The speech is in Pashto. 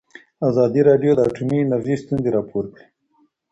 ازادي راډیو د اټومي انرژي ستونزې راپور کړي.